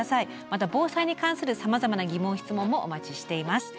また防災に関するさまざまな疑問・質問もお待ちしています。